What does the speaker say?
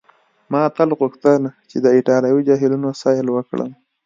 ما تل غوښتل چي د ایټالوي جهیلونو سیل وکړم.